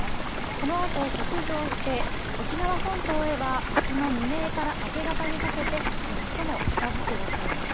このあと北上して沖縄本島へはあすの未明から明け方にかけて最も近づく予想です。